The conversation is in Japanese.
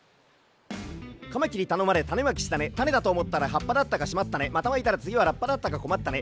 「カマキリたのまれたねまきしたねたねだとおもったらはっぱだったかしまったねまたまいたらつぎはラッパだったかこまったね